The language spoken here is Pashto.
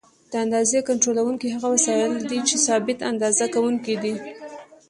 د اندازې کنټرولوونکي هغه وسایل دي چې ثابت اندازه کوونکي دي.